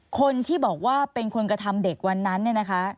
คนที่บอกว่าเป็นคนกระทำเด็กวันนั้น